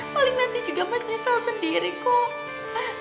paling nanti juga mas nyesel sendiri kok